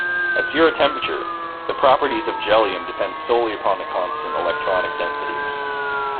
At zero temperature, the properties of jellium depend solely upon the constant electronic density.